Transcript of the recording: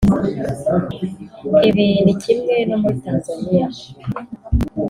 Ibi ni kimwe no muri Tanzania